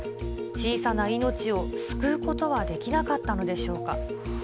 小さな命を救うことはできなかったのでしょうか。